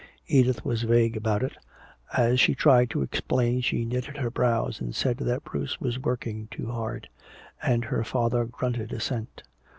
Edith was vague about it. As she tried to explain she knitted her brows and said that Bruce was working too hard. And her father grunted assent.